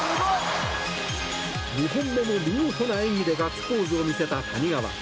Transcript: ２本目も見事な演技でガッツポーズを見せた谷川。